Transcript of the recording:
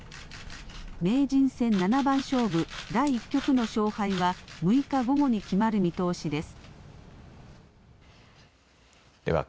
名人戦七番勝負第１局の勝敗は６日午後に決まる見通しです。